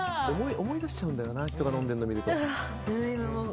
思い出しちゃうんだよな人が飲んでるの見ると。